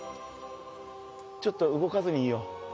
ちょっと動かずにいよう。